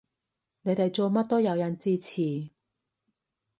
你哋做乜都有人支持